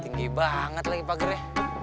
tinggi banget lagi pagernya